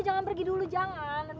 jangan pergi dulu jangan